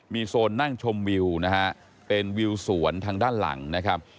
มีโซนนั่งชมวิวนะฮะเป็นวิวสวนทางด้านหลังนะครับ